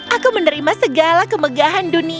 aku menerima segala kemegahan dunia